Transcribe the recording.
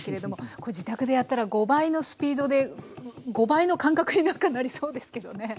これ自宅でやったら５倍のスピードで５倍の間隔になんかなりそうですけどね。